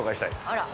あら。